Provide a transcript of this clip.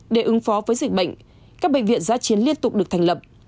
để ứng phó với dịch bệnh các bệnh viện giã chiến liên tục được thành lập